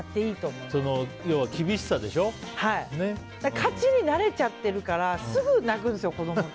勝ちに慣れちゃってるからすぐに泣くんですよ、子供って。